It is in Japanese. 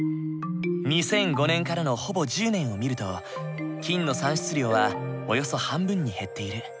２００５年からのほぼ１０年を見ると金の産出量はおよそ半分に減っている。